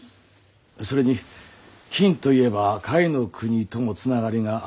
それに金といえば甲斐の国ともつながりがあるやもしれぬ。